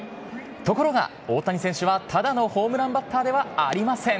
ところが、大谷選手はただのホームランバッターではありません。